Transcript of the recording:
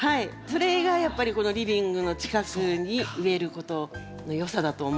それがやっぱりこのリビングの近くに植えることのよさだと思うんです。